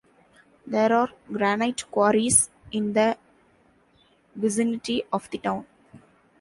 There are granite quarries in the vicinity of the town.